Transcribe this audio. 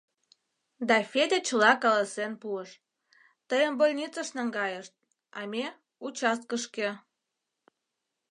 — Да Федя чыла каласен пуыш: — Тыйым больницыш наҥгайышт, а ме — участкышке.